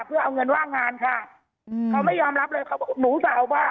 เพื่อเอาเงินว่างงานค่ะอืมเขาไม่ยอมรับเลยเขาบอกหนูจะเอาว่า